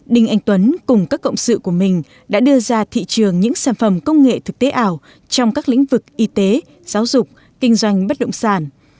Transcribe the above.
đinh anh tuấn cùng các cộng sự của mình đã đưa ra thị trường những sản phẩm công nghệ thực tế ảo trong các lĩnh vực y tế giáo dục kinh doanh bất động sản